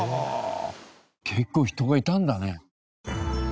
結構人がいたんだね。